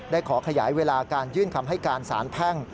ขอขยายเวลาการยื่นคำให้การสารแพ่ง